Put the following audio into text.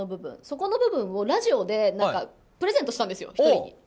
そこの部分をラジオでプレゼントしたんですよ。